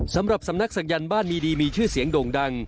สำหรับสำนักศักยันต์บ้านมีดีมีชื่อเสียงโด่งดัง